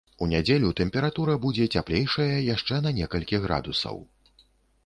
У нядзелю тэмпература будзе цяплейшая яшчэ на некалькі градусаў.